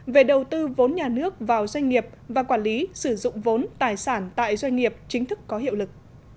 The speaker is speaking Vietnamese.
về đầu tư vốn nhà nước vào doanh nghiệp và quản lý sử dụng vốn tài sản tại doanh nghiệp chính thức có hiệu lực